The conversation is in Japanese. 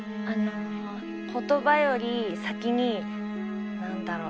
言葉より先に何だろう